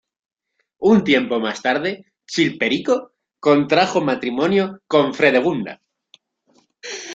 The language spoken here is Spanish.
Un tiempo más tarde Chilperico I contrajo matrimonio con Fredegunda.